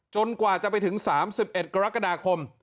กว่าจะไปถึง๓๑กรกฎาคม